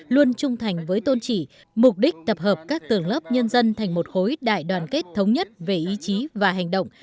luôn trung thành với tôn trị mục đích tập hợp các tường lớp nhân dân thành một khối đại đoàn kết thống nhất về ý chí và hành động